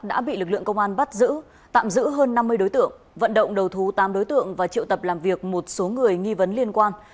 đã bị lực lượng công an bắt giữ tạm giữ hơn năm mươi đối tượng vận động đầu thú tám đối tượng và triệu tập làm việc một số người nghi vấn liên quan